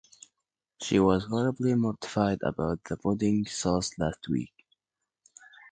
She was terribly mortified about the pudding sauce last week.